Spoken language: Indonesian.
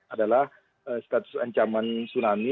adalah status ancaman tsunami